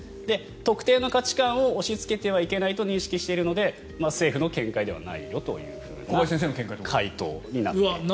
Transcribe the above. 特定の価値観を押しつけてはいけないと認識しているので政府の見解ではないよという回答になっています。